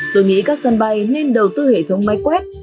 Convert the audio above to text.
tôi nghĩ các sân bay nên đầu tư hệ thống máy quét